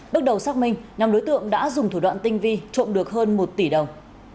bước đầu xác minh năm đối tượng đã dùng thủ đoạn tinh vi trộm được hơn một tỷ đồng